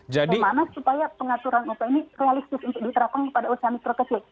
bagaimana supaya pengaturan upah ini realistis untuk diterapkan kepada usaha mikro kecil